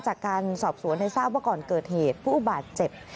จากการสอบสวนให้ทราบว่าก่อนเกิดเหตุผู้บาดเจ็บ